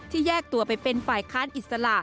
แยกตัวไปเป็นฝ่ายค้านอิสระ